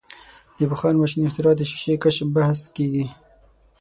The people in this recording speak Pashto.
د بخار ماشین اختراع د شیشې کشف بحث کیږي.